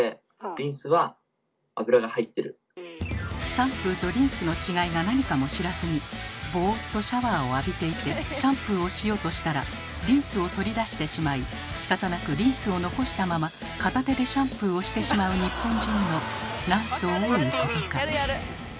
シャンプーとリンスの違いがなにかも知らずにボーっとシャワーを浴びていてシャンプーをしようとしたらリンスを取り出してしまいしかたなくリンスを残したまま片手でシャンプーをしてしまう日本人のなんと多いことか。